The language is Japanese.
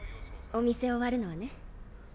お店終わるのはね